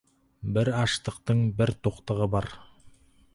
Бір аштықтың бір тоқтығы бар.